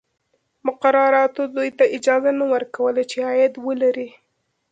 مقرراتو دوی ته اجازه نه ورکوله چې عاید ولري.